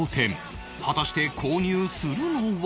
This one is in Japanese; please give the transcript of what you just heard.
果たして購入するのは？